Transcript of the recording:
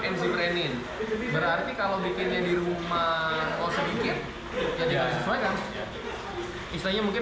enzim renin berarti kalau bikinnya di rumah oh sedikit jadi sesuai kan istrinya mungkin